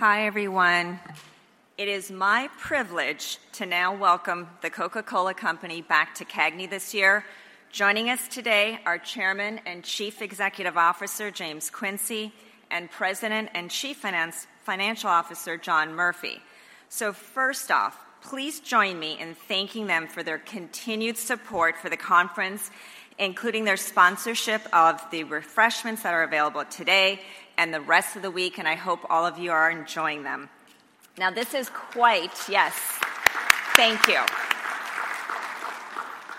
Hi everyone. It is my privilege to now welcome the Coca-Cola Company back to CAGNY this year. Joining us today are Chairman and Chief Executive Officer James Quincey and President and Chief Financial Officer John Murphy. So first off, please join me in thanking them for their continued support for the conference, including their sponsorship of the refreshments that are available today and the rest of the week, and I hope all of you are enjoying them. Now this is quite yes, thank you.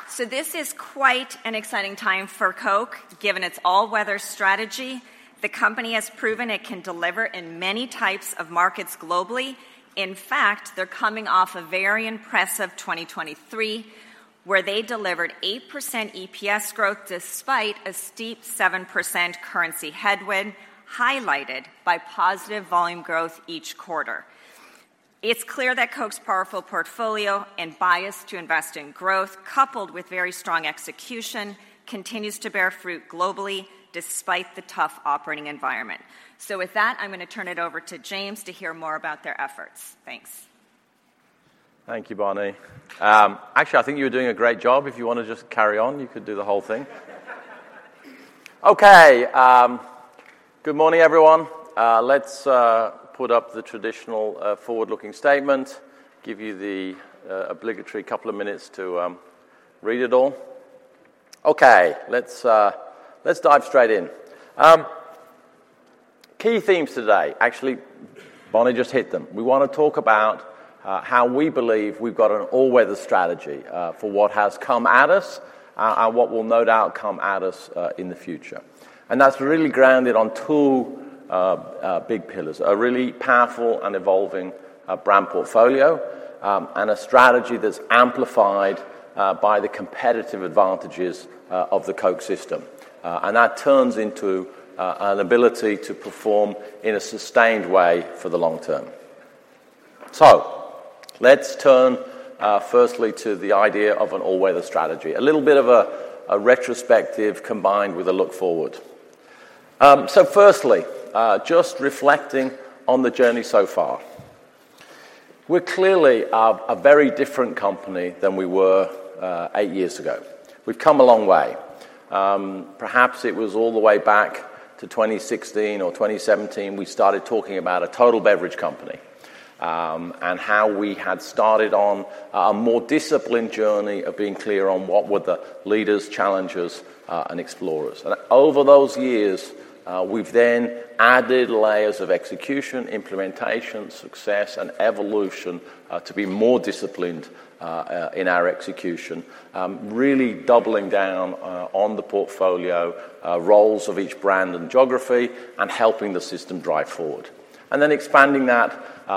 So this is quite an exciting time for Coke, given its All-Weather Strategy. The company has proven it can deliver in many types of markets globally. In fact, they're coming off a very impressive 2023 where they delivered 8% EPS growth despite a steep 7% currency headwind highlighted by positive volume growth each quarter. It's clear that Coke's powerful portfolio and bias to invest in growth, coupled with very strong execution, continues to bear fruit globally despite the tough operating environment. With that, I'm going to turn it over to James to hear more about their efforts. Thanks. Thank you, Bonnie. Actually, I think you were doing a great job. If you want to just carry on, you could do the whole thing. Okay. Good morning, everyone. Let's put up the traditional forward-looking statement, give you the obligatory couple of minutes to read it all. Okay. Let's dive straight in. Key themes today, actually, Bonnie just hit them. We want to talk about how we believe we've got an All-Weather Strategy for what has come at us and what will no doubt come at us in the future. And that's really grounded on two big pillars: a really powerful and evolving brand portfolio and a strategy that's amplified by the competitive advantages of the Coke system. And that turns into an ability to perform in a sustained way for the long term. So let's turn firstly to the idea of an All-Weather Strategy, a little bit of a retrospective combined with a look forward. So firstly, just reflecting on the journey so far, we're clearly a very different company than we were eight years ago. We've come a long way. Perhaps it was all the way back to 2016 or 2017 we started talking about a total beverage company and how we had started on a more disciplined journey of being clear on what were the leaders, challengers, and explorers. And over those years, we've then added layers of execution, implementation, success, and evolution to be more disciplined in our execution, really doubling down on the portfolio roles of each brand and geography and helping the system drive forward. And then expanding that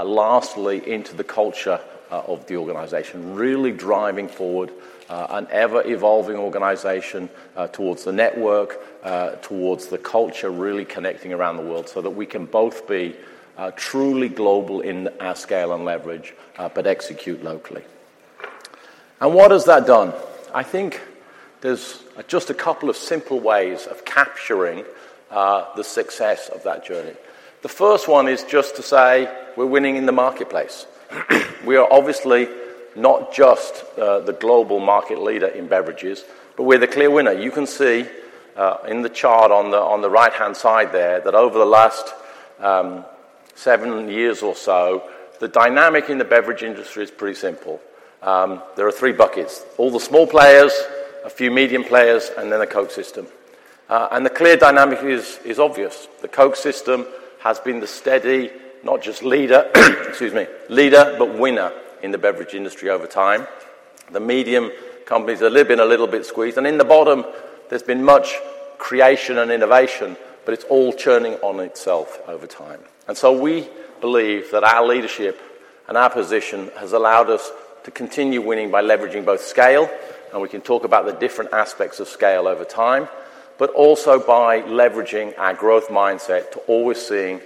lastly into the culture of the organization, really driving forward an ever-evolving organization towards the network, towards the culture, really connecting around the world so that we can both be truly global in our scale and leverage but execute locally. And what has that done? I think there's just a couple of simple ways of capturing the success of that journey. The first one is just to say we're winning in the marketplace. We are obviously not just the global market leader in beverages, but we're the clear winner. You can see in the chart on the right-hand side there that over the last 7 years or so, the dynamic in the beverage industry is pretty simple. There are three buckets: all the small players, a few medium players, and then the Coke system. And the clear dynamic is obvious. The Coke system has been the steady, not just leader—excuse me, leader—but winner in the beverage industry over time. The medium companies have been a little bit squeezed. And in the bottom, there's been much creation and innovation, but it's all churning on itself over time. And so we believe that our leadership and our position has allowed us to continue winning by leveraging both scale—and we can talk about the different aspects of scale over time—but also by leveraging our growth mindset to always see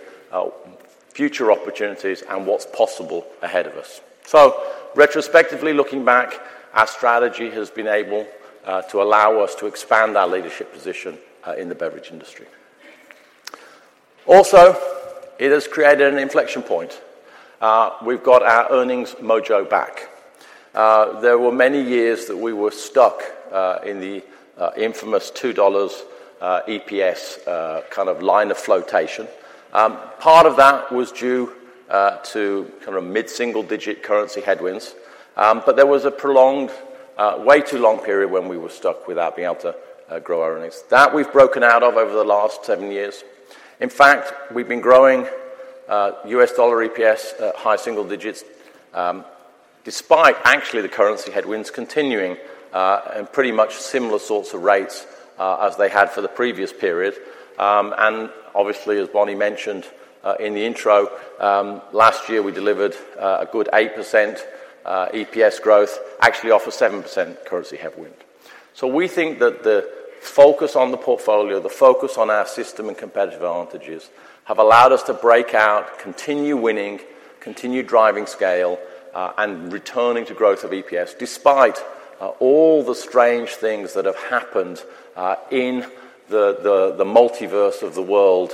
future opportunities and what's possible ahead of us. So retrospectively looking back, our strategy has been able to allow us to expand our leadership position in the beverage industry. Also, it has created an inflection point. We've got our earnings mojo back. There were many years that we were stuck in the infamous $2 EPS kind of line of flotation. Part of that was due to kind of mid-single-digit currency headwinds, but there was a prolonged, way too long period when we were stuck without being able to grow our earnings. That we've broken out of over the last 7 years. In fact, we've been growing US dollar EPS at high single digits despite actually the currency headwinds continuing and pretty much similar sorts of rates as they had for the previous period. And obviously, as Bonnie mentioned in the intro, last year we delivered a good 8% EPS growth, actually off a 7% currency headwind. So we think that the focus on the portfolio, the focus on our system and competitive advantages have allowed us to break out, continue winning, continue driving scale, and returning to growth of EPS despite all the strange things that have happened in the multiverse of the world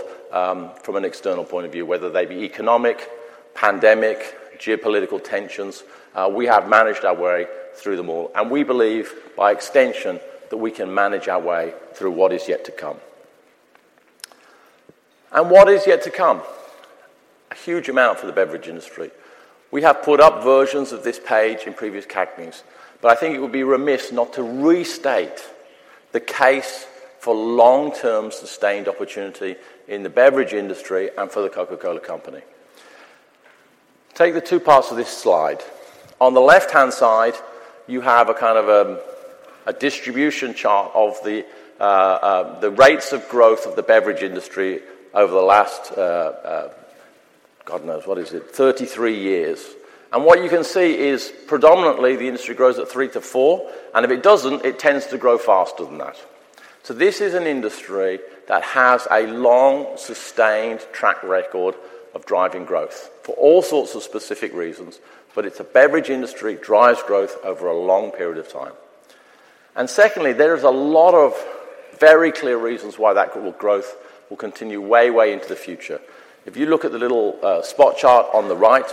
from an external point of view, whether they be economic, pandemic, geopolitical tensions. We have managed our way through them all. And we believe, by extension, that we can manage our way through what is yet to come. And what is yet to come? A huge amount for the beverage industry. We have put up versions of this page in previous CAGNYs, but I think it would be remiss not to restate the case for long-term sustained opportunity in the beverage industry and for the Coca-Cola Company. Take the two parts of this slide. On the left-hand side, you have a kind of a distribution chart of the rates of growth of the beverage industry over the last God knows what is it? 33 years. What you can see is predominantly the industry grows at 3-4. If it doesn't, it tends to grow faster than that. This is an industry that has a long, sustained track record of driving growth for all sorts of specific reasons, but it's a beverage industry that drives growth over a long period of time. Secondly, there is a lot of very clear reasons why that growth will continue way, way into the future. If you look at the little spot chart on the right,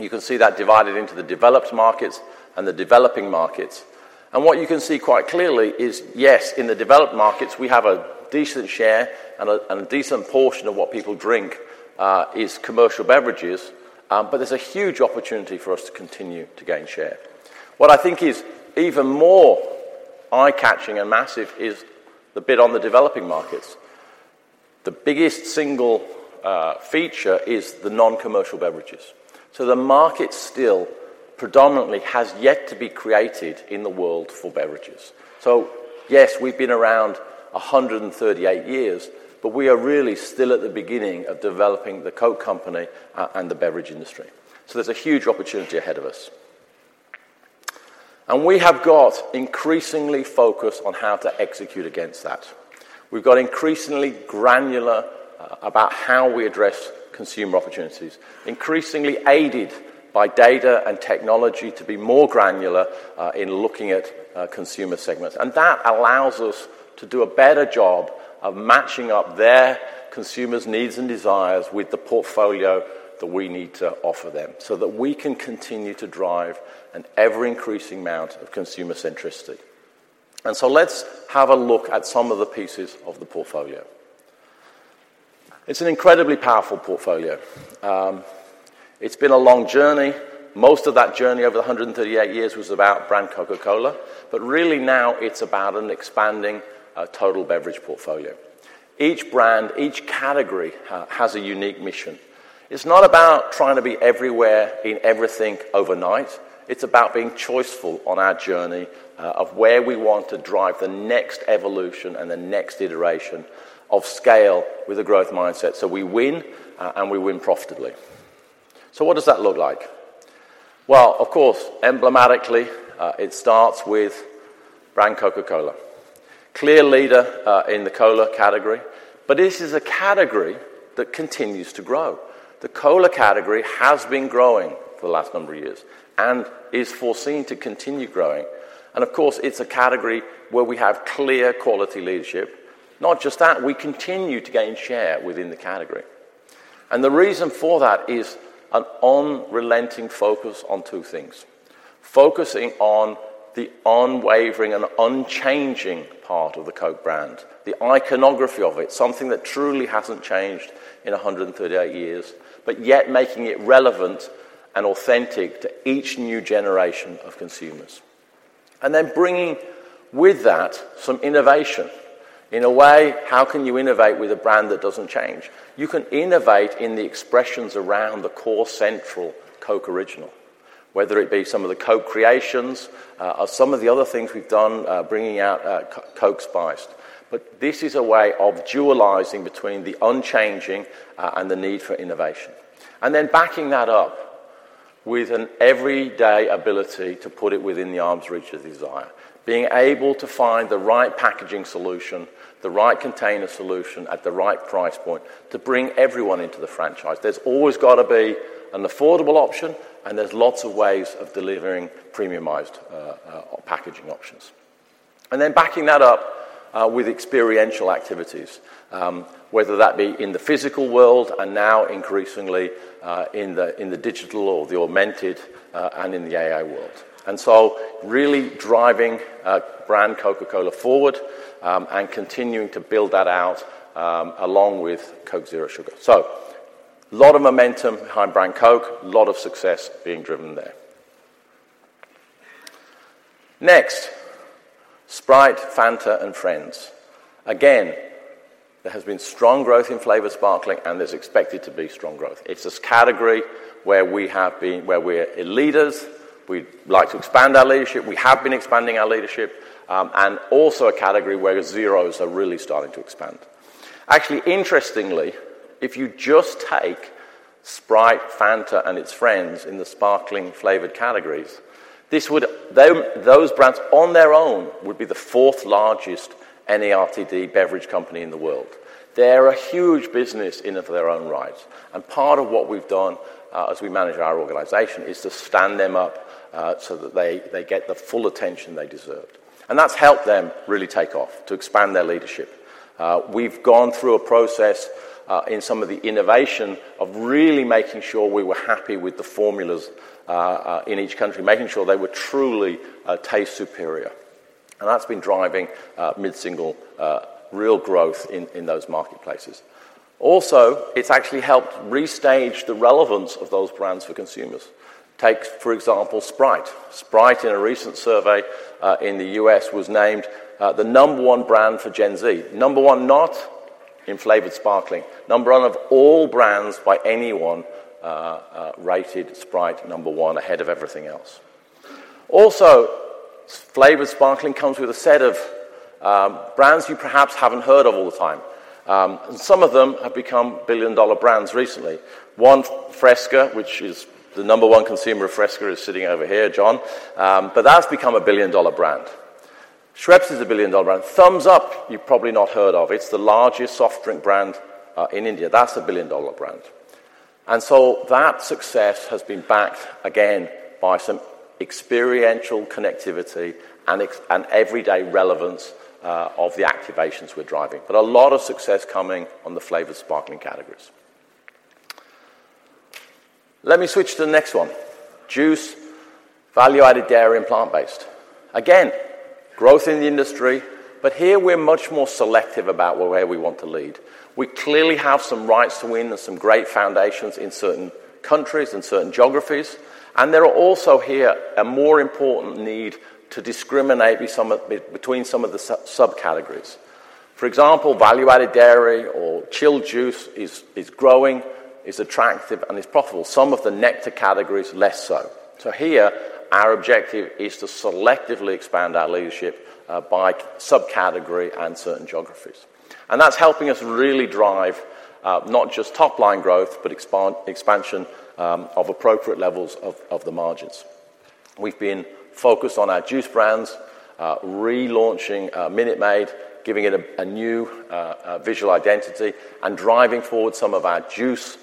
you can see that divided into the developed markets and the developing markets. What you can see quite clearly is, yes, in the developed markets, we have a decent share, and a decent portion of what people drink is commercial beverages, but there's a huge opportunity for us to continue to gain share. What I think is even more eye-catching and massive is the bit on the developing markets. The biggest single feature is the non-commercial beverages. So the market still predominantly has yet to be created in the world for beverages. So yes, we've been around 138 years, but we are really still at the beginning of developing the Coke Company and the beverage industry. So there's a huge opportunity ahead of us. And we have got increasingly focused on how to execute against that. We've got increasingly granular about how we address consumer opportunities, increasingly aided by data and technology to be more granular in looking at consumer segments. That allows us to do a better job of matching up their consumers' needs and desires with the portfolio that we need to offer them so that we can continue to drive an ever-increasing amount of consumer centricity. So let's have a look at some of the pieces of the portfolio. It's an incredibly powerful portfolio. It's been a long journey. Most of that journey over the 138 years was about brand Coca-Cola, but really now it's about an expanding total beverage portfolio. Each brand, each category has a unique mission. It's not about trying to be everywhere in everything overnight. It's about being choiceful on our journey of where we want to drive the next evolution and the next iteration of scale with a growth mindset so we win and we win profitably. So what does that look like? Well, of course, emblematically, it starts with brand Coca-Cola, clear leader in the cola category. But this is a category that continues to grow. The cola category has been growing for the last number of years and is foreseen to continue growing. And of course, it's a category where we have clear quality leadership. Not just that, we continue to gain share within the category. And the reason for that is an unrelenting focus on two things, focusing on the unwavering and unchanging part of the Coke brand, the iconography of it, something that truly hasn't changed in 138 years, but yet making it relevant and authentic to each new generation of consumers. And then bringing with that some innovation. In a way, how can you innovate with a brand that doesn't change? You can innovate in the expressions around the core central Coke original, whether it be some of the Coke Creations or some of the other things we've done, bringing out Coke Spiced. But this is a way of dualizing between the unchanging and the need for innovation. And then backing that up with an everyday ability to put it within arm's reach of desire, being able to find the right packaging solution, the right container solution at the right price point to bring everyone into the franchise. There's always got to be an affordable option, and there's lots of ways of delivering premiumized packaging options. And then backing that up with experiential activities, whether that be in the physical world and now increasingly in the digital or the augmented and in the AI world. And so really driving brand Coca-Cola forward and continuing to build that out along with Coke Zero Sugar. So a lot of momentum behind brand Coke, a lot of success being driven there. Next, Sprite, Fanta, and Friends. Again, there has been strong growth in flavor sparkling, and there's expected to be strong growth. It's this category where we're leaders. We'd like to expand our leadership. We have been expanding our leadership. And also a category where zeros are really starting to expand. Actually, interestingly, if you just take Sprite, Fanta, and its friends in the sparkling flavored categories, those brands on their own would be the fourth largest NARTD beverage company in the world. They're a huge business in their own right. And part of what we've done as we manage our organization is to stand them up so that they get the full attention they deserved. And that's helped them really take off, to expand their leadership. We've gone through a process in some of the innovation of really making sure we were happy with the formulas in each country, making sure they were truly taste superior. And that's been driving mid-single real growth in those marketplaces. Also, it's actually helped restage the relevance of those brands for consumers. Take, for example, Sprite. Sprite, in a recent survey in the US, was named the number one brand for Gen Z, number one not in flavored sparkling, number one of all brands by anyone rated Sprite number one ahead of everything else. Also, flavored sparkling comes with a set of brands you perhaps haven't heard of all the time. And some of them have become billion-dollar brands recently. One, Fresca, which is the number one consumer of Fresca, is sitting over here, John. But that's become a billion-dollar brand. Schweppes is a billion-dollar brand. Thums Up, you've probably not heard of. It's the largest soft drink brand in India. That's a billion-dollar brand. And so that success has been backed, again, by some experiential connectivity and everyday relevance of the activations we're driving. But a lot of success coming on the flavored sparkling categories. Let me switch to the next one, juice, value-added dairy and plant-based. Again, growth in the industry. But here we're much more selective about where we want to lead. We clearly have some rights to win and some great foundations in certain countries and certain geographies. And there are also here a more important need to discriminate between some of the subcategories. For example, value-added dairy or chilled juice is growing, is attractive, and is profitable. Some of the nectar categories, less so. So here, our objective is to selectively expand our leadership by subcategory and certain geographies. And that's helping us really drive not just top-line growth, but expansion of appropriate levels of the margins. We've been focused on our juice brands, relaunching Minute Maid, giving it a new visual identity, and driving forward some of our juice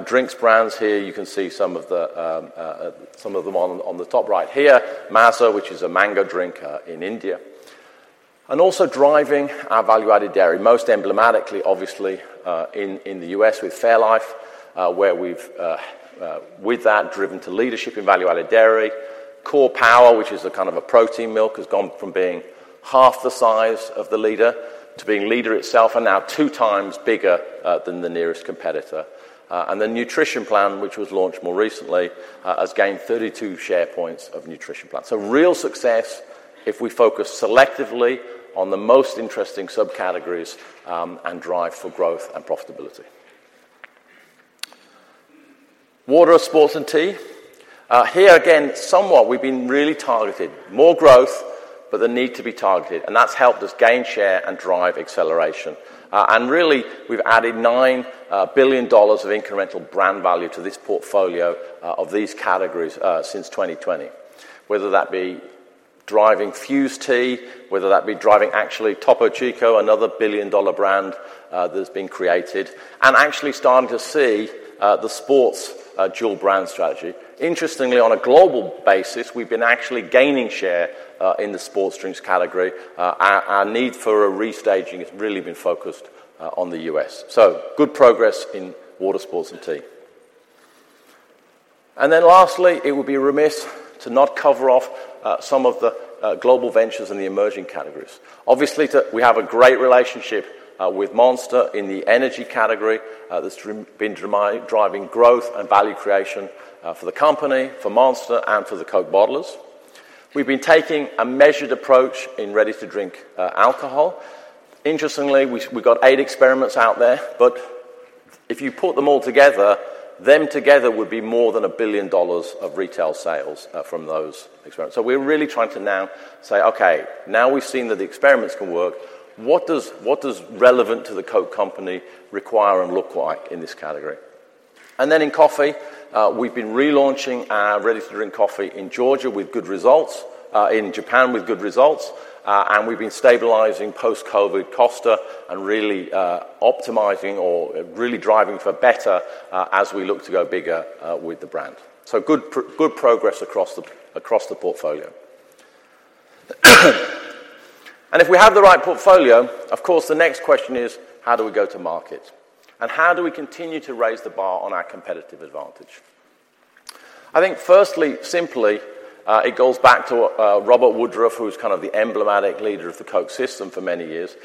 drinks brands here. You can see some of them on the top right here, Maaza, which is a mango drink in India, and also driving our value-added dairy, most emblematically, obviously, in the U.S. with fairlife, where we've, with that, driven to leadership in value-added dairy. Core Power, which is a kind of a protein milk, has gone from being half the size of the leader to being leader itself and now two times bigger than the nearest competitor. And the Nutrition Plan, which was launched more recently, has gained 32 share points of Nutrition Plan. So real success if we focus selectively on the most interesting subcategories and drive for growth and profitability. Water, sports, and tea. Here again, somewhat we've been really targeted, more growth, but the need to be targeted. And that's helped us gain share and drive acceleration. And really, we've added $9 billion of incremental brand value to this portfolio of these categories since 2020, whether that be driving Fuze Tea, whether that be driving actually Topo Chico, another billion-dollar brand that's been created, and actually starting to see the sports dual brand strategy. Interestingly, on a global basis, we've been actually gaining share in the sports drinks category. Our need for a restaging has really been focused on the U.S. So good progress in water, sports, and tea. And then lastly, it would be remiss to not cover off some of the global ventures and the emerging categories. Obviously, we have a great relationship with Monster in the energy category that's been driving growth and value creation for the company, for Monster, and for the Coke bottlers. We've been taking a measured approach in ready-to-drink alcohol. Interestingly, we've got 8 experiments out there. But if you put them all together, them together would be more than $1 billion of retail sales from those experiments. So we're really trying to now say, "Okay, now we've seen that the experiments can work. What does relevant to the Coke Company require and look like in this category?" And then in coffee, we've been relaunching our ready-to-drink coffee in Georgia with good results, in Japan with good results. We've been stabilizing post-COVID Costa and really optimizing or really driving for better as we look to go bigger with the brand. Good progress across the portfolio. If we have the right portfolio, of course, the next question is, how do we go to market? How do we continue to raise the bar on our competitive advantage? I think firstly, simply, it goes back to Robert Woodruff, who's kind of the emblematic leader of the Coke system for many years.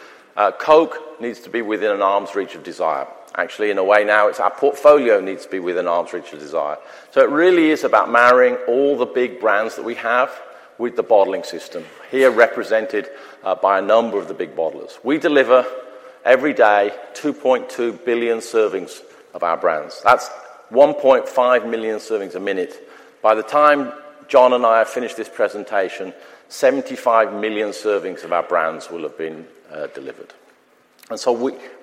Coke needs to be within an arm's reach of desire. Actually, in a way, now it's our portfolio needs to be within arm's reach of desire. It really is about marrying all the big brands that we have with the bottling system, here represented by a number of the big bottlers. We deliver every day 2.2 billion servings of our brands. That's 1.5 million servings a minute. By the time John and I have finished this presentation, 75 million servings of our brands will have been delivered. And so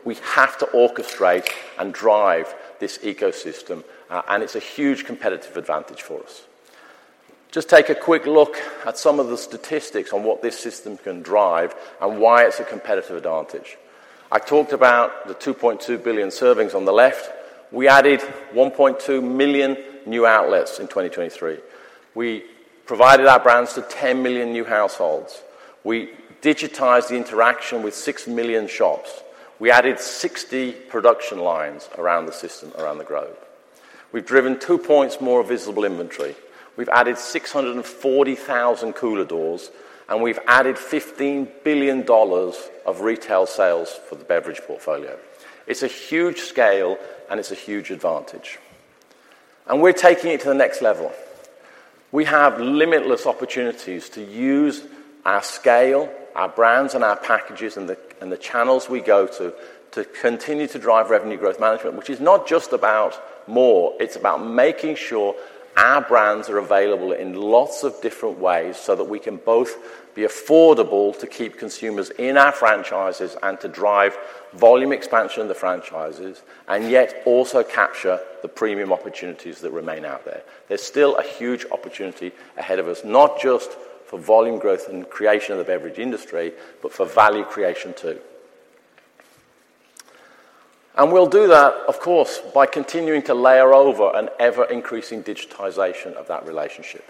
we have to orchestrate and drive this ecosystem. And it's a huge competitive advantage for us. Just take a quick look at some of the statistics on what this system can drive and why it's a competitive advantage. I talked about the 2.2 billion servings on the left. We added 1.2 million new outlets in 2023. We provided our brands to 10 million new households. We digitized the interaction with 6 million shops. We added 60 production lines around the system, around the globe. We've driven 2 points more visible inventory. We've added 640,000 cooler doors. And we've added $15 billion of retail sales for the beverage portfolio. It's a huge scale, and it's a huge advantage. And we're taking it to the next level. We have limitless opportunities to use our scale, our brands, and our packages and the channels we go to to continue to drive revenue growth management, which is not just about more. It's about making sure our brands are available in lots of different ways so that we can both be affordable to keep consumers in our franchises and to drive volume expansion of the franchises, and yet also capture the premium opportunities that remain out there. There's still a huge opportunity ahead of us, not just for volume growth and creation of the beverage industry, but for value creation too. And we'll do that, of course, by continuing to layer over an ever-increasing digitization of that relationship.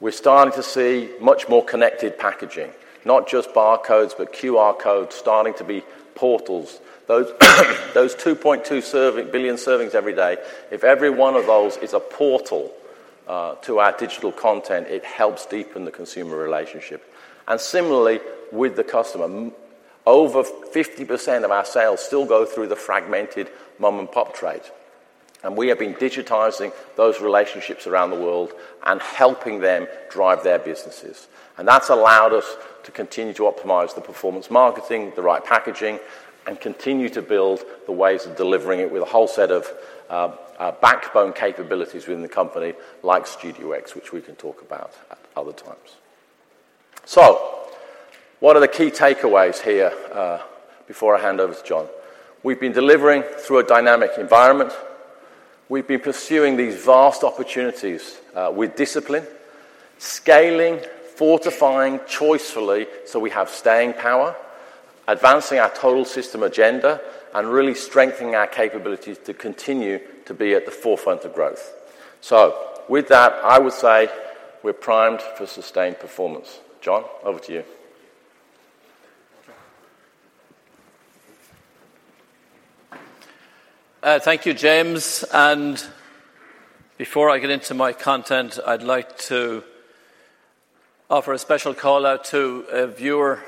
We're starting to see much more connected packaging, not just barcodes, but QR codes starting to be portals. Those 2.2 billion servings every day, if every one of those is a portal to our digital content, it helps deepen the consumer relationship. And similarly, with the customer, over 50% of our sales still go through the fragmented mom-and-pop trade. And we have been digitizing those relationships around the world and helping them drive their businesses. And that's allowed us to continue to optimize the performance marketing, the right packaging, and continue to build the ways of delivering it with a whole set of backbone capabilities within the company, like Studio X, which we can talk about at other times. So what are the key takeaways here before I hand over to John? We've been delivering through a dynamic environment. We've been pursuing these vast opportunities with discipline, scaling, fortifying choicely so we have staying power, advancing our total system agenda, and really strengthening our capabilities to continue to be at the forefront of growth. So with that, I would say we're primed for sustained performance. John, over to you. Thank you, James. And before I get into my content, I'd like to offer a special call-out to a viewer.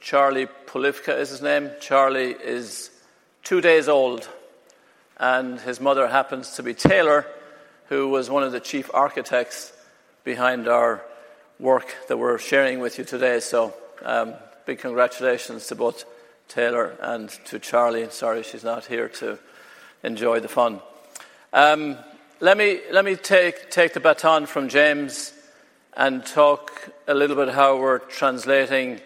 Charlie Polifka is his name. Charlie is two days old. And his mother happens to be Taylor, who was one of the chief architects behind our work that we're sharing with you today. So big congratulations to both Taylor and to Charlie. Sorry, she's not here to enjoy the fun. Let me take the baton from James and talk a little bit how we're translating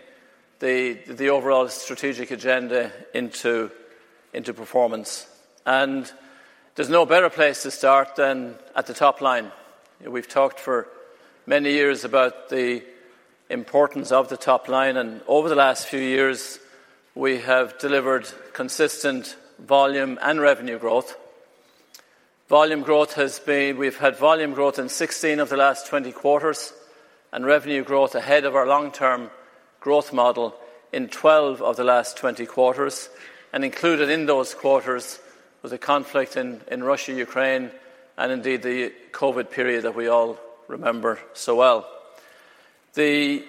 the overall strategic agenda into performance. There's no better place to start than at the top line. We've talked for many years about the importance of the top line. Over the last few years, we have delivered consistent volume and revenue growth. We've had volume growth in 16 of the last 20 quarters and revenue growth ahead of our long-term growth model in 12 of the last 20 quarters. Included in those quarters was the conflict in Russia, Ukraine, and indeed the COVID period that we all remember so well. This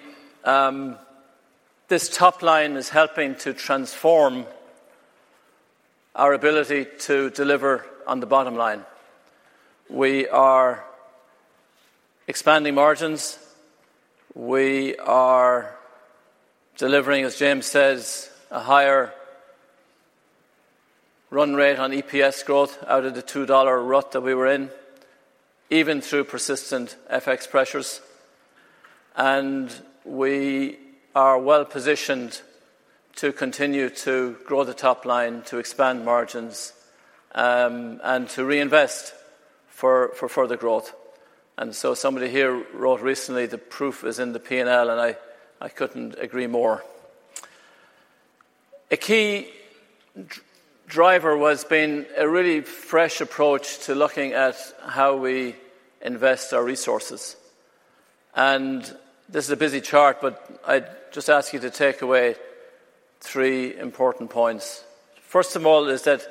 top line is helping to transform our ability to deliver on the bottom line. We are expanding margins. We are delivering, as James says, a higher run rate on EPS growth out of the $2 rut that we were in, even through persistent FX pressures. We are well positioned to continue to grow the top line, to expand margins, and to reinvest for further growth. So somebody here wrote recently, "The proof is in the P&L." I couldn't agree more. A key driver has been a really fresh approach to looking at how we invest our resources. This is a busy chart, but I'd just ask you to take away three important points. First of all, is that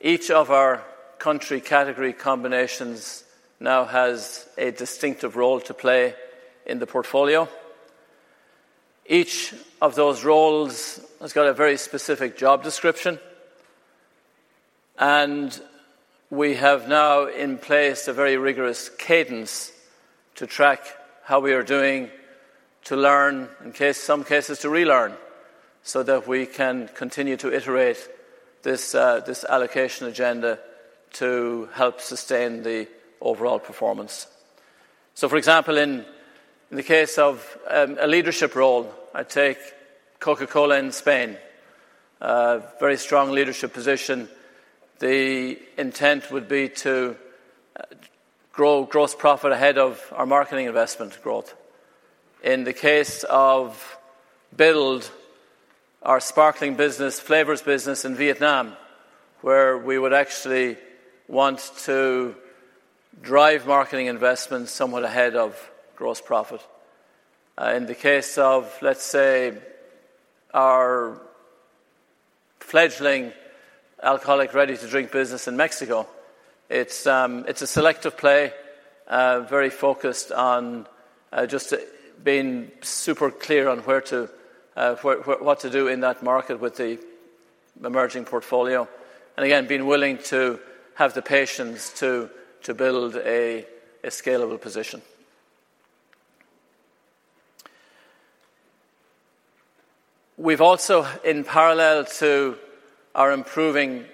each of our country category combinations now has a distinctive role to play in the portfolio. Each of those roles has got a very specific job description. We have now in place a very rigorous cadence to track how we are doing, to learn, in some cases, to relearn, so that we can continue to iterate this allocation agenda to help sustain the overall performance. So for example, in the case of a leadership role, I take Coca-Cola in Spain, very strong leadership position. The intent would be to grow gross profit ahead of our marketing investment growth. In the case of build our sparkling business, flavors business in Vietnam, where we would actually want to drive marketing investments somewhat ahead of gross profit. In the case of, let's say, our fledgling alcoholic ready-to-drink business in Mexico, it's a selective play, very focused on just being super clear on what to do in that market with the emerging portfolio. And again, being willing to have the patience to build a scalable position. We've also, in parallel to our improving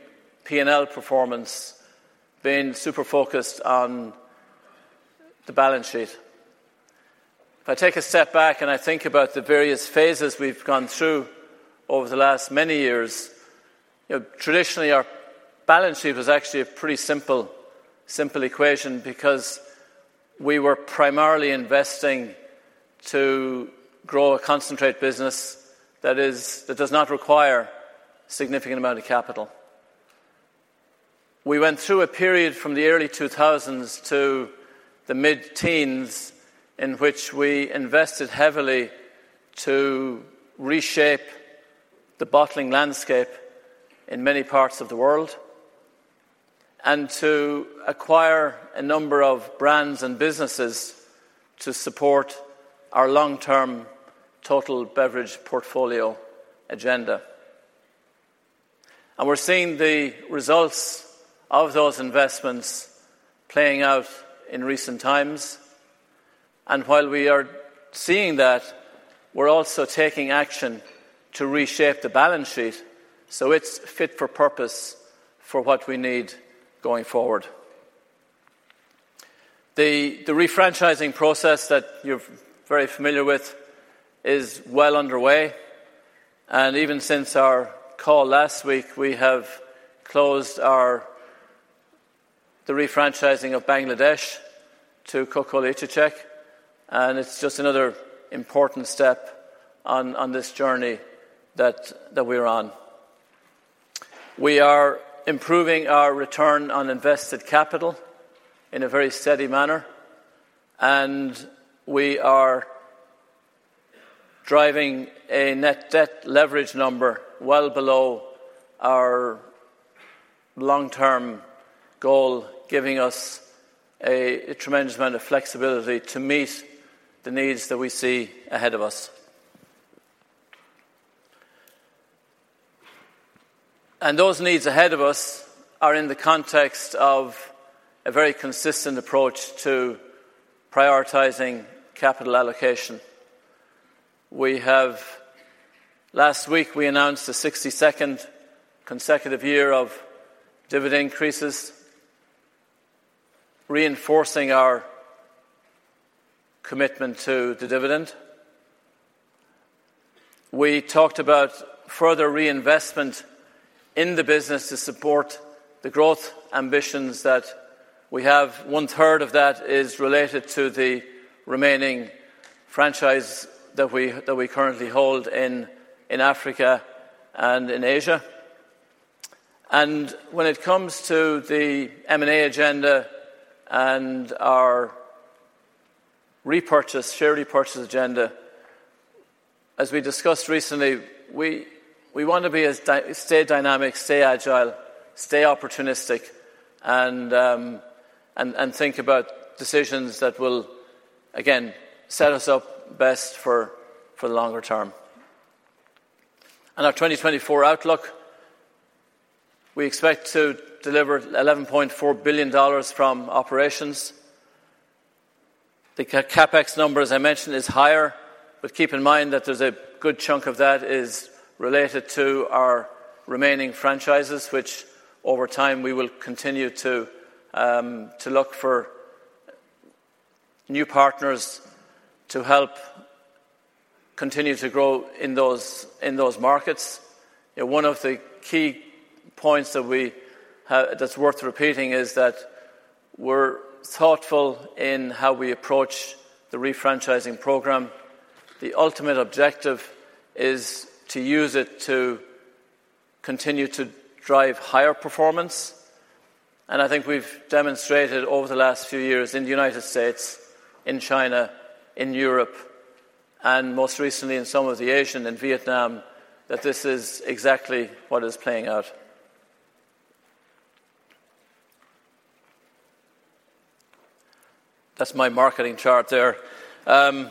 P&L performance, been super focused on the balance sheet. If I take a step back and I think about the various phases we've gone through over the last many years, traditionally, our balance sheet was actually a pretty simple equation because we were primarily investing to grow a concentrate business that does not require a significant amount of capital. We went through a period from the early 2000s to the mid-teens in which we invested heavily to reshape the bottling landscape in many parts of the world and to acquire a number of brands and businesses to support our long-term total beverage portfolio agenda. We're seeing the results of those investments playing out in recent times. While we are seeing that, we're also taking action to reshape the balance sheet so it's fit for purpose for what we need going forward. The refranchising process that you're very familiar with is well underway. Even since our call last week, we have closed the refranchising of Bangladesh to Coca-Cola İçecek. And it's just another important step on this journey that we're on. We are improving our return on invested capital in a very steady manner. And we are driving a net debt leverage number well below our long-term goal, giving us a tremendous amount of flexibility to meet the needs that we see ahead of us. And those needs ahead of us are in the context of a very consistent approach to prioritizing capital allocation. Last week, we announced the 62nd consecutive year of dividend increases, reinforcing our commitment to the dividend. We talked about further reinvestment in the business to support the growth ambitions that we have. One third of that is related to the remaining franchise that we currently hold in Africa and in Asia. When it comes to the M&A agenda and our share repurchase agenda, as we discussed recently, we want to stay dynamic, stay agile, stay opportunistic, and think about decisions that will, again, set us up best for the longer term. Our 2024 outlook, we expect to deliver $11.4 billion from operations. The CapEx number, as I mentioned, is higher. But keep in mind that there's a good chunk of that is related to our remaining franchises, which over time, we will continue to look for new partners to help continue to grow in those markets. One of the key points that's worth repeating is that we're thoughtful in how we approach the refranchising program. The ultimate objective is to use it to continue to drive higher performance. I think we've demonstrated over the last few years in the United States, in China, in Europe, and most recently in some of the Asia and Vietnam, that this is exactly what is playing out. That's my marketing chart there. It's an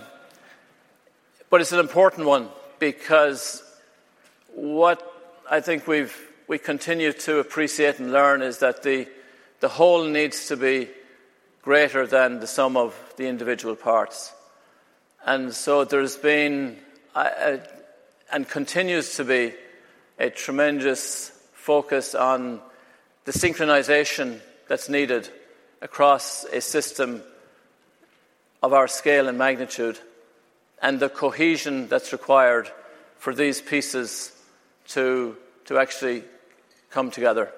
important one because what I think we continue to appreciate and learn is that the whole needs to be greater than the sum of the individual parts. So there's been and continues to be a tremendous focus on the synchronization that's needed across a system of our scale and magnitude and the cohesion that's required for these pieces to actually come together.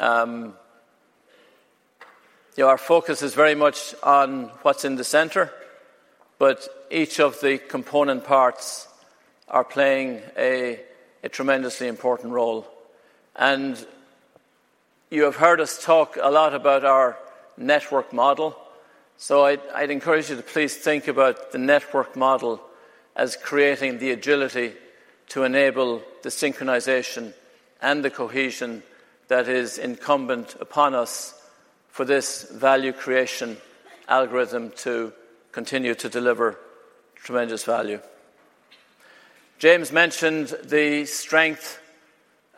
Our focus is very much on what's in the center, but each of the component parts are playing a tremendously important role. You have heard us talk a lot about our network model. So I'd encourage you to please think about the network model as creating the agility to enable the synchronization and the cohesion that is incumbent upon us for this value creation algorithm to continue to deliver tremendous value. James mentioned the strength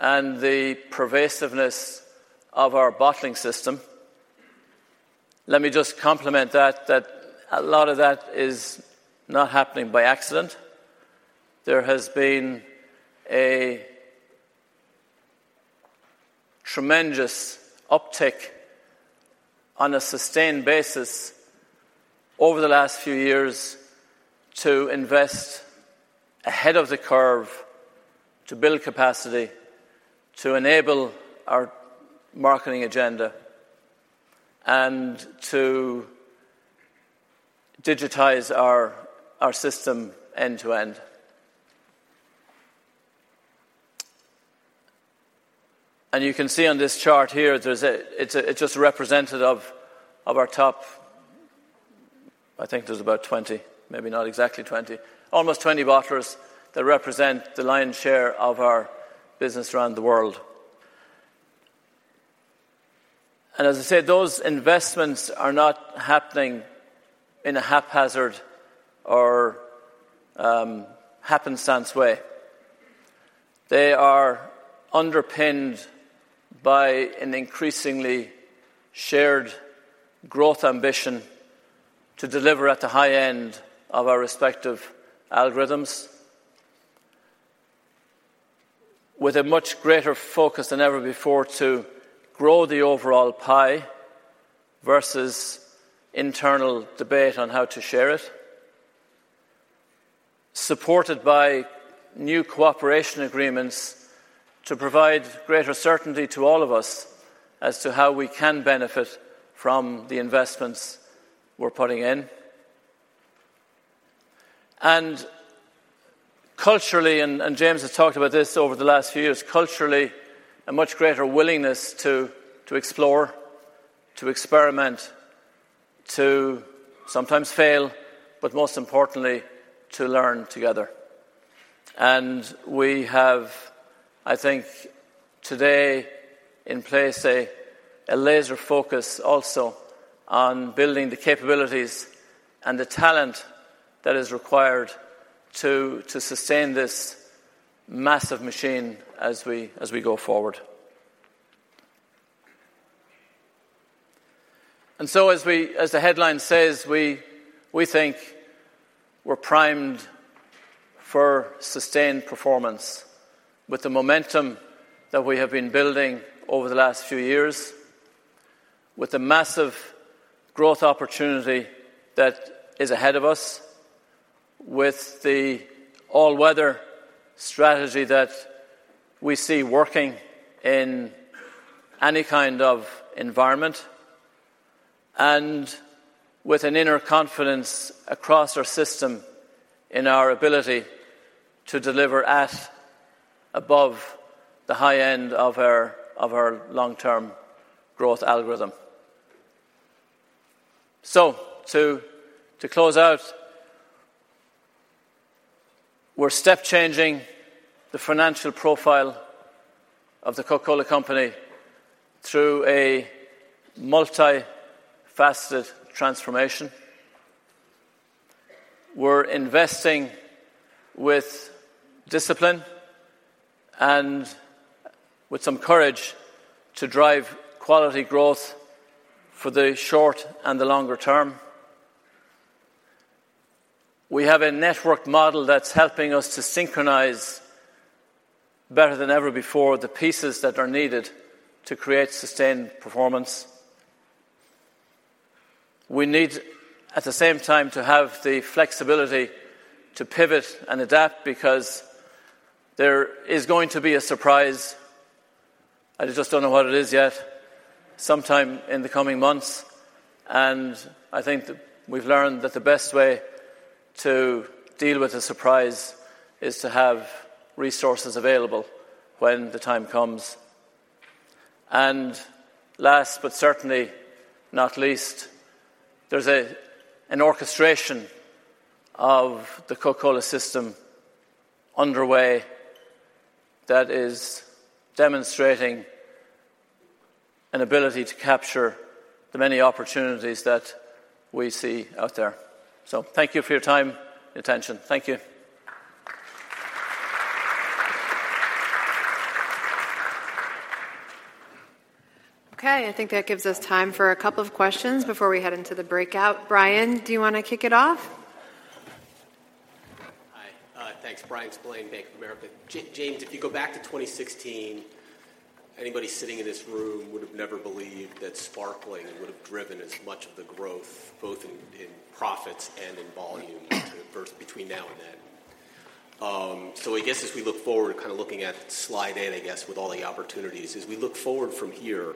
and the pervasiveness of our bottling system. Let me just complement that, that a lot of that is not happening by accident. There has been a tremendous uptick on a sustained basis over the last few years to invest ahead of the curve, to build capacity, to enable our marketing agenda, and to digitize our system end-to-end. And you can see on this chart here, it's just representative of our top, I think there's about 20, maybe not exactly 20, almost 20 bottlers that represent the lion's share of our business around the world. As I said, those investments are not happening in a haphazard or happenstance way. They are underpinned by an increasingly shared growth ambition to deliver at the high end of our respective algorithms with a much greater focus than ever before to grow the overall pie versus internal debate on how to share it, supported by new cooperation agreements to provide greater certainty to all of us as to how we can benefit from the investments we're putting in. Culturally, and James has talked about this over the last few years, culturally, a much greater willingness to explore, to experiment, to sometimes fail, but most importantly, to learn together. We have, I think, today in place a laser focus also on building the capabilities and the talent that is required to sustain this massive machine as we go forward. As the headline says, we think we're primed for sustained performance with the momentum that we have been building over the last few years, with the massive growth opportunity that is ahead of us, with the All-Weather Strategy that we see working in any kind of environment, and with an inner confidence across our system in our ability to deliver at above the high end of our long-term growth algorithm. To close out, we're step-changing the financial profile of the Coca-Cola Company through a multifaceted transformation. We're investing with discipline and with some courage to drive quality growth for the short and the longer term. We have a network model that's helping us to synchronize better than ever before the pieces that are needed to create sustained performance. We need, at the same time, to have the flexibility to pivot and adapt because there is going to be a surprise. I just don't know what it is yet, sometime in the coming months. I think we've learned that the best way to deal with a surprise is to have resources available when the time comes. Last but certainly not least, there's an orchestration of the Coca-Cola system underway that is demonstrating an ability to capture the many opportunities that we see out there. Thank you for your time and attention. Thank you. Okay. I think that gives us time for a couple of questions before we head into the breakout. Bryan, do you want to kick it off? Hi. Thanks. Bryan Spillane, Bank of America. James, if you go back to 2016, anybody sitting in this room would have never believed that sparkling would have driven as much of the growth, both in profits and in volume, between now and then. So I guess as we look forward, kind of looking at slide 8, I guess, with all the opportunities, as we look forward from here,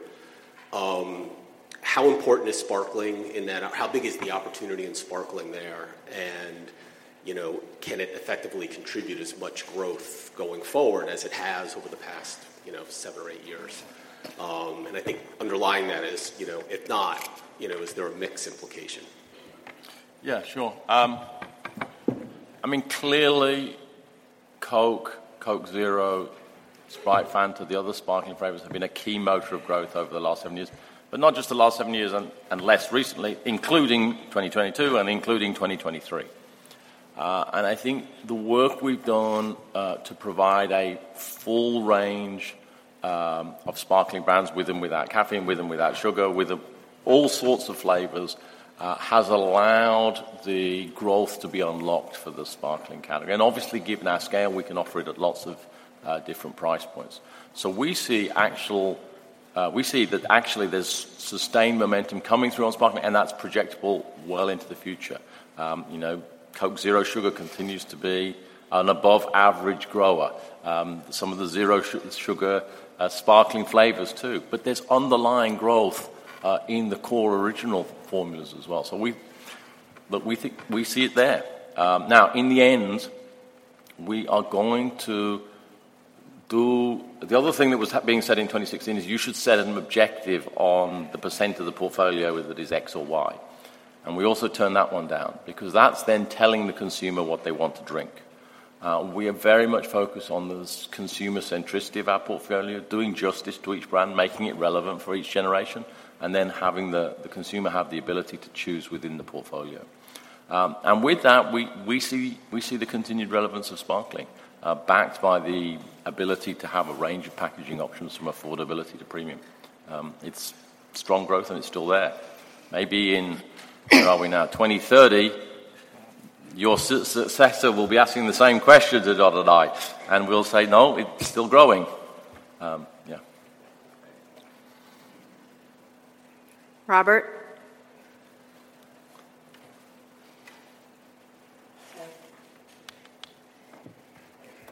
how important is sparkling in that? How big is the opportunity in sparkling there? And can it effectively contribute as much growth going forward as it has over the past 7 or 8 years? And I think underlying that is, if not, is there a mix implication? Yeah, sure. I mean, clearly, Coke, Coke Zero, Sprite, Fanta, the other sparkling flavors have been a key motor of growth over the last seven years, but not just the last seven years and less recently, including 2022 and including 2023. And I think the work we've done to provide a full range of sparkling brands, with and without caffeine, with and without sugar, with all sorts of flavors, has allowed the growth to be unlocked for the sparkling category. And obviously, given our scale, we can offer it at lots of different price points. So we see that actually there's sustained momentum coming through on sparkling, and that's projectable well into the future. Coke Zero Sugar continues to be an above-average grower, some of the zero sugar sparkling flavors too. But there's underlying growth in the core original formulas as well. But we see it there. Now, in the end, we are going to do the other thing that was being said in 2016 is you should set an objective on the % of the portfolio that is X or Y. And we also turn that one down because that's then telling the consumer what they want to drink. We are very much focused on the consumer centricity of our portfolio, doing justice to each brand, making it relevant for each generation, and then having the consumer have the ability to choose within the portfolio. And with that, we see the continued relevance of sparkling, backed by the ability to have a range of packaging options from affordability to premium. It's strong growth, and it's still there. Maybe in, where are we now, 2030, your successor will be asking the same questions, and we'll say, "No, it's still growing." Yeah. Robert?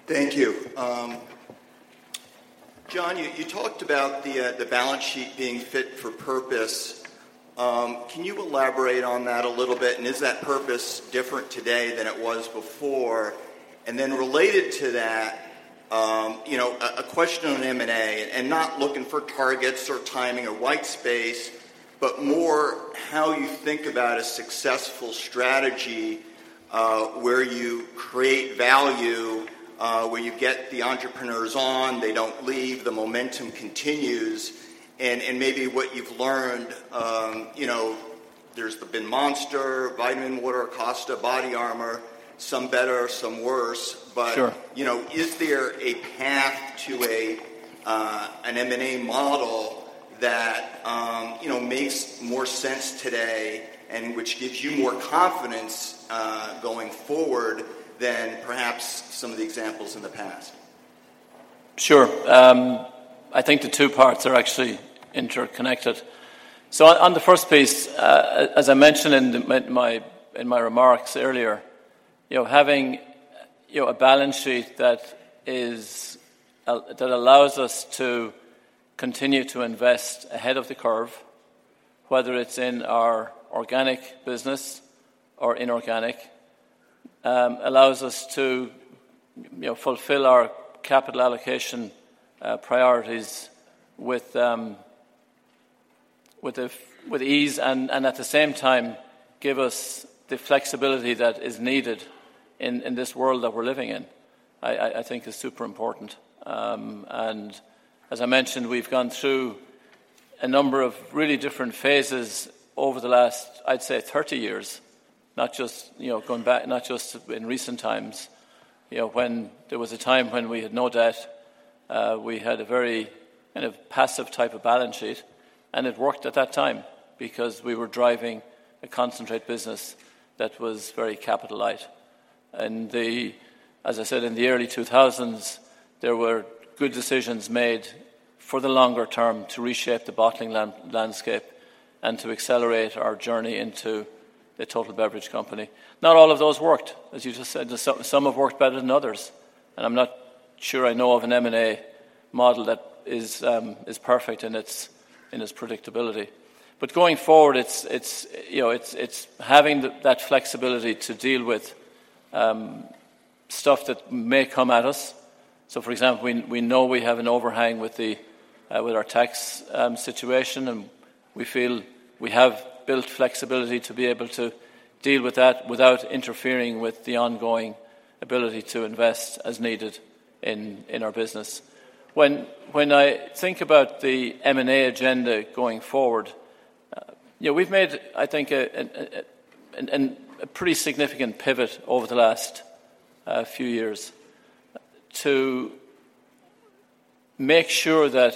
Thank you. John, you talked about the balance sheet being fit for purpose. Can you elaborate on that a little bit? Is that purpose different today than it was before? Then related to that, a question on M&A and not looking for targets or timing or white space, but more how you think about a successful strategy where you create value, where you get the entrepreneurs on, they don't leave, the momentum continues. Maybe what you've learned, there's been Monster, vitaminwater, Costa, BODYARMOR, some better, some worse. But is there a path to an M&A model that makes more sense today and which gives you more confidence going forward than perhaps some of the examples in the past? Sure. I think the two parts are actually interconnected. So on the first piece, as I mentioned in my remarks earlier, having a balance sheet that allows us to continue to invest ahead of the curve, whether it's in our organic business or inorganic, allows us to fulfill our capital allocation priorities with ease and at the same time, give us the flexibility that is needed in this world that we're living in, I think is super important. And as I mentioned, we've gone through a number of really different phases over the last, I'd say, 30 years, not just going back, not just in recent times when there was a time when we had no debt. We had a very kind of passive type of balance sheet. And it worked at that time because we were driving a concentrate business that was very capital-light. As I said, in the early 2000s, there were good decisions made for the longer term to reshape the bottling landscape and to accelerate our journey into the total beverage company. Not all of those worked, as you just said. Some have worked better than others. I'm not sure I know of an M&A model that is perfect in its predictability. Going forward, it's having that flexibility to deal with stuff that may come at us. For example, we know we have an overhang with our tax situation, and we feel we have built flexibility to be able to deal with that without interfering with the ongoing ability to invest as needed in our business. When I think about the M&A agenda going forward, we've made, I think, a pretty significant pivot over the last few years to make sure that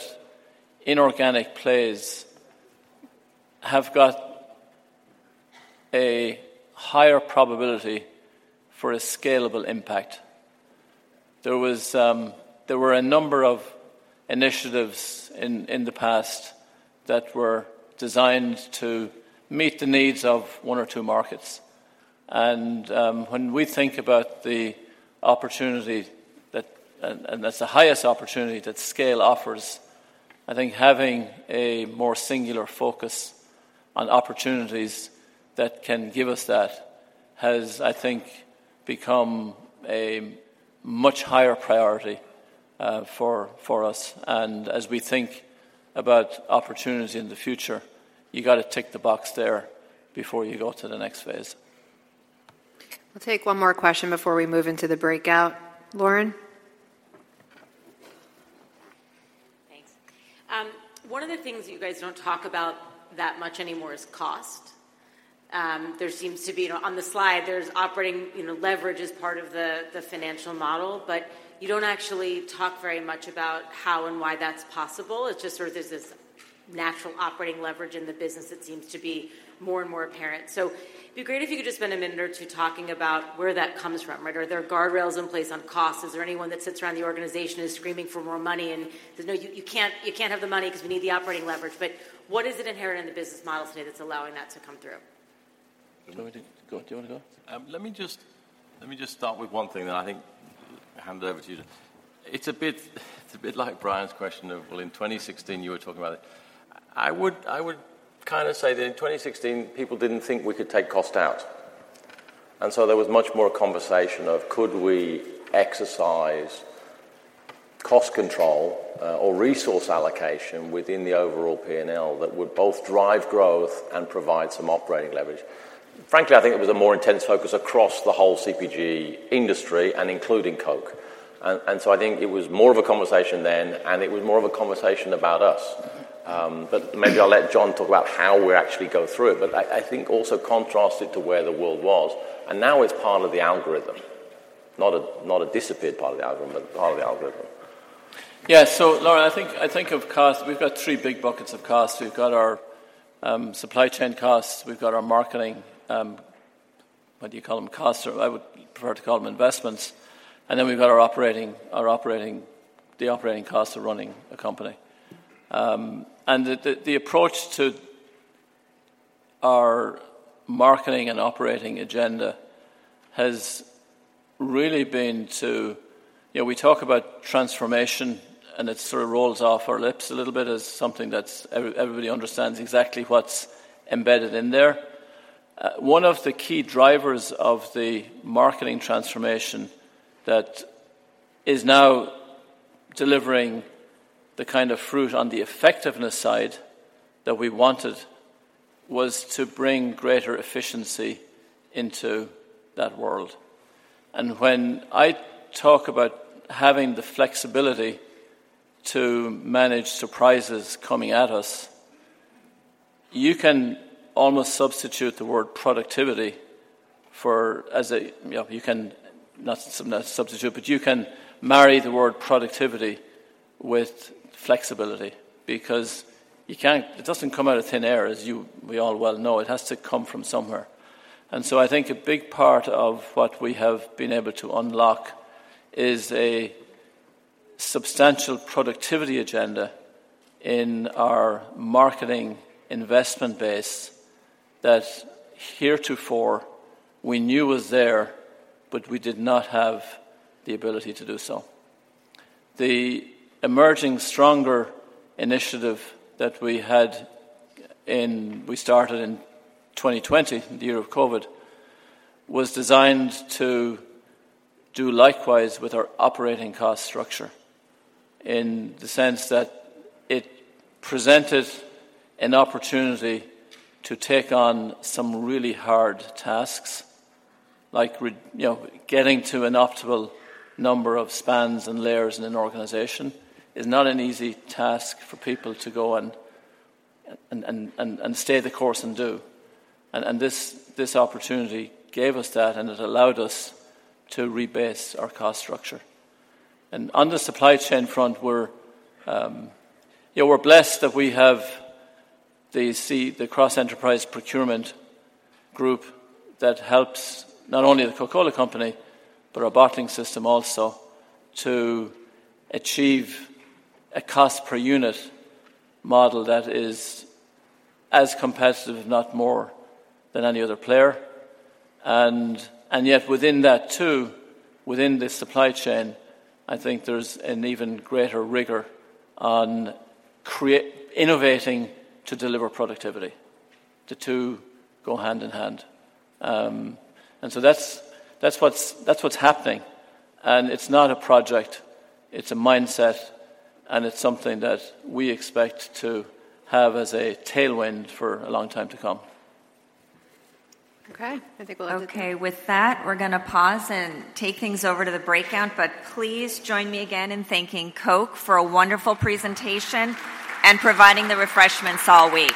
inorganic plays have got a higher probability for a scalable impact. There were a number of initiatives in the past that were designed to meet the needs of one or two markets. And when we think about the opportunity that and that's the highest opportunity that scale offers, I think having a more singular focus on opportunities that can give us that has, I think, become a much higher priority for us. And as we think about opportunity in the future, you've got to tick the box there before you go to the next phase. We'll take one more question before we move into the breakout. Lauren? Thanks. One of the things that you guys don't talk about that much anymore is cost. There seems to be on the slide, there's operating leverage as part of the financial model, but you don't actually talk very much about how and why that's possible. It's just sort of there's this natural operating leverage in the business that seems to be more and more apparent. So it'd be great if you could just spend a minute or two talking about where that comes from, right? Are there guardrails in place on costs? Is there anyone that sits around the organization who's screaming for more money and says, "No, you can't have the money because we need the operating leverage"? But what is it inherent in the business model today that's allowing that to come through? Do you want to go? Let me just start with one thing, then I think hand it over to you. It's a bit like Bryan's question of, well, in 2016, you were talking about it. I would kind of say that in 2016, people didn't think we could take cost out. And so there was much more a conversation of could we exercise cost control or resource allocation within the overall P&L that would both drive growth and provide some operating leverage. Frankly, I think it was a more intense focus across the whole CPG industry and including Coke. And so I think it was more of a conversation then, and it was more of a conversation about us. But maybe I'll let John talk about how we actually go through it. But I think also contrast it to where the world was. And now it's part of the algorithm, not a disappeared part of the algorithm, but part of the algorithm. Yeah. So, Lauren, I think of cost we've got three big buckets of costs. We've got our supply chain costs. We've got our marketing what do you call them? Costs or I would prefer to call them investments. And then we've got our operating the operating costs of running a company. And the approach to our marketing and operating agenda has really been to we talk about transformation, and it sort of rolls off our lips a little bit as something that everybody understands exactly what's embedded in there. One of the key drivers of the marketing transformation that is now delivering the kind of fruit on the effectiveness side that we wanted was to bring greater efficiency into that world. And when I talk about having the flexibility to manage surprises coming at us, you can almost substitute the word productivity for—as a, you can not substitute—but you can marry the word productivity with flexibility because it doesn't come out of thin air, as we all well know. It has to come from somewhere. And so I think a big part of what we have been able to unlock is a substantial productivity agenda in our marketing investment base that heretofore we knew was there, but we did not have the ability to do so. The Emerging Stronger initiative that we had, we started in 2020, the year of COVID, was designed to do likewise with our operating cost structure in the sense that it presented an opportunity to take on some really hard tasks. Like getting to an optimal number of spans and layers in an organization is not an easy task for people to go and stay the course and do. And this opportunity gave us that, and it allowed us to rebase our cost structure. And on the supply chain front, we're blessed that we have the Cross Enterprise Procurement Group that helps not only The Coca-Cola Company, but our bottling system also, to achieve a cost per unit model that is as competitive, if not more, than any other player. And yet within that too, within the supply chain, I think there's an even greater rigor on innovating to deliver productivity. The two go hand in hand. And so that's what's happening. And it's not a project. It's a mindset. And it's something that we expect to have as a tailwind for a long time to come. Okay. I think we'll have to. Okay. With that, we're going to pause and take things over to the breakout. Please join me again in thanking Coke for a wonderful presentation and providing the refreshments all week.